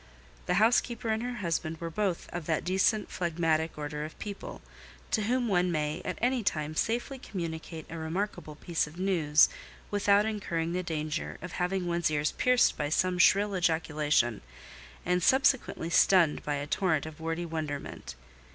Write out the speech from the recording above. The housekeeper and her husband were both of that decent phlegmatic order of people, to whom one may at any time safely communicate a remarkable piece of news without incurring the danger of having one's ears pierced by some shrill ejaculation, and subsequently stunned by a torrent of wordy wonderment.